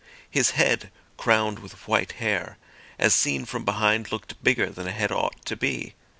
His head, crowned with white hair, as seen from behind looked bigger than a head ought to be.